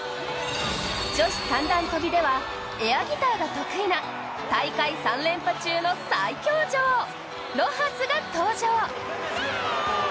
女子三段跳ではエアギターが得意な大会３連覇中の最強女王、ロハスが登場。